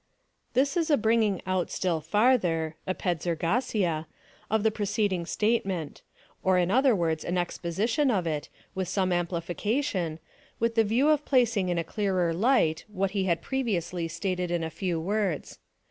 This is a bringing out still farther (eTre^epjaa ta) of the preceding statement, or in other words, an exposition of it, with some amplification, with the view of j)lacing in a clearer light, what he had previously stated in a few words.